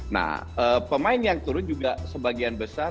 nah pemain yang turun juga sebagian besar